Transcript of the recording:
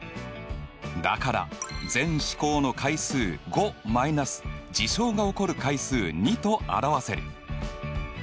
だから全試行の回数５マイナス事象が起こる回数２と表せる。